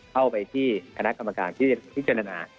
เข้าไปที่คณะกรรมการพิจารณา